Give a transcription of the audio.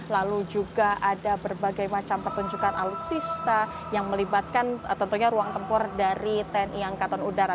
lalu juga ada berbagai macam pertunjukan alutsista yang melibatkan tentunya ruang tempur dari tni angkatan udara